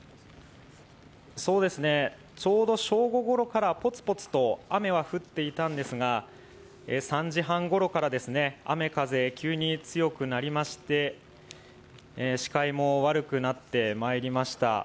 ちょうど正午ごろからポツポツと雨は降っていたんですが、３時半ごろから雨・風、急に強くなりまして、視界も悪くなってまいりました。